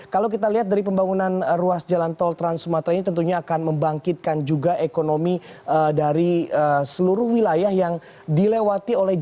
kalau kita lihat dari pembangunan ruas jalan tol trans sumatera ini tentunya akan membangkitkan juga ekonomi dari seluruh wilayah yang dilewati oleh jawa